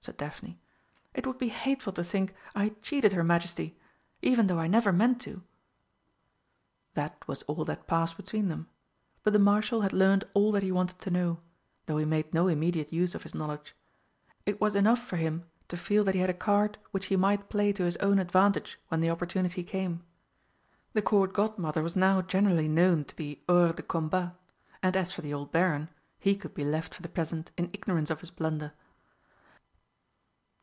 said Daphne. "It would be hateful to think I had cheated her Majesty even though I never meant to." That was all that passed between them but the Marshal had learnt all that he wanted to know, though he made no immediate use of his knowledge. It was enough for him to feel that he had a card which he might play to his own advantage when the opportunity came. The Court Godmother was now generally known to be hors de combat, and as for the old Baron, he could be left for the present in ignorance of his blunder.